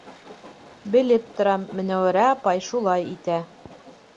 Белеп торам, Менәүәрә апай шулай итә.